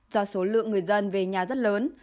do số lượng người dân về nhà rất lớn